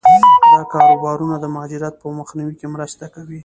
دا کاروبارونه د مهاجرت په مخنیوي کې مرسته کوي.